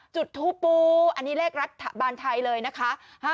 จุดทูปูอันนี้เลขรัฐบาลไทยเลยนะคะ